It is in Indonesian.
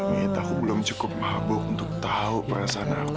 ya mit aku belum cukup mabuk untuk tahu perasaan aku mit